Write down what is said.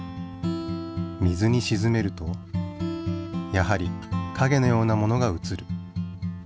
水にしずめるとやはりかげのようなものがうつる。